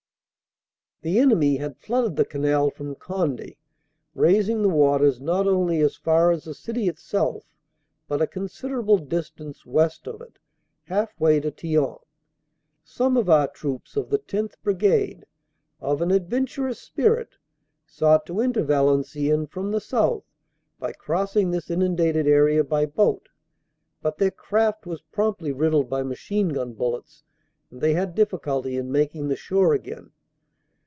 The enemy had flooded the canal from Conde, raising the waters not only as far as the city itself, but a considerable dis tance west of it, half way to Thiant. Some of our troops, of the 10th. Brigade, of an adventurous spirit, sought to enter Valenciennes from the south by crossing this inundated area by boat, but their craft was promptly riddled by machine gun bullets, and they had difficulty in making the shore again.